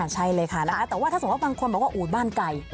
ใช่เลยค่ะแต่ว่าถ้าสมมุติบางคนบอกว่าบ้านไก่